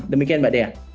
demikian mbak dea